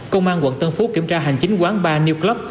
công an quận tân phú kiểm tra hành chính quán bar new club